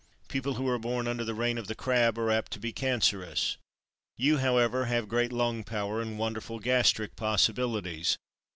People who are born under the reign of the crab are apt to be cancerous. You, however, have great lung power and wonderful gastric possibilities.